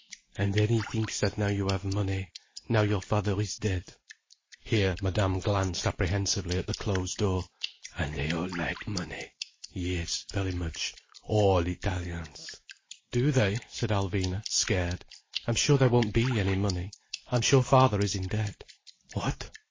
And then he thinks that now you have money—now your father is dead—" here Madame glanced apprehensively at the closed door—"and they all like money, yes, very much, all Italians—" "Do they?" said Alvina, scared. "I'm sure there won't be any money. I'm sure father is in debt." "What?